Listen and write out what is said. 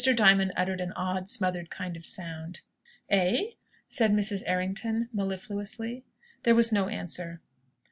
Diamond uttered an odd, smothered kind of sound. "Eh?" said Mrs. Errington, mellifluously. There was no answer.